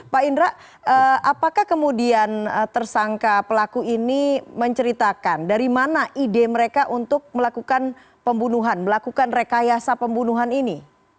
pak indra apakah kemudian tersangka pelaku ini menceritakan dari mana ide mereka untuk melakukan pembunuhan melakukan rekayasa pembunuhan ini